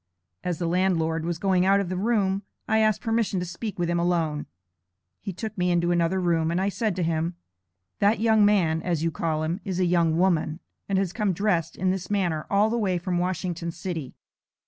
As the landlord was going out of the room, I asked permission to speak with him alone. He took me into another room, and I said to him: 'That young man, as you call him, is a young woman, and has come dressed in this manner, all the way from Washington City.